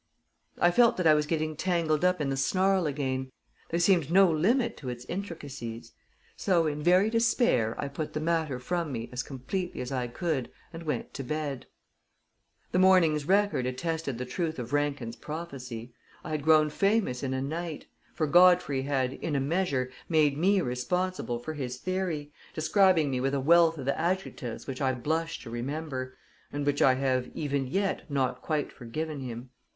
I felt that I was getting tangled up in the snarl again there seemed no limit to its intricacies; so, in very despair, I put the matter from me as completely as I could and went to bed. The morning's Record attested the truth of Rankin's prophecy. I had grown famous in a night: for Godfrey had, in a measure, made me responsible for his theory, describing me with a wealth of adjectives which I blush to remember, and which I have, even yet, not quite forgiven him.